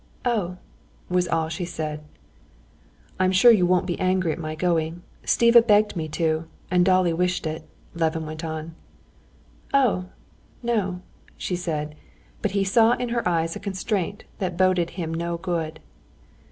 "Oh!" was all she said. "I'm sure you won't be angry at my going. Stiva begged me to, and Dolly wished it," Levin went on. "Oh, no!" she said, but he saw in her eyes a constraint that boded him no good.